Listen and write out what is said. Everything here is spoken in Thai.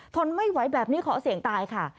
ทนไม่ไหวแบบนี้ขอเสี่ยงตายค่ะ